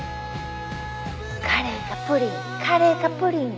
「カレーかプリンカレーかプリン」